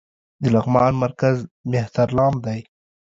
د لغمان مرکز مهترلام دى